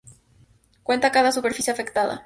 Cuenta cada superficie afectada.